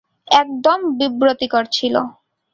একদম বিব্রতকর ছিলো।